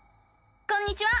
こんにちは！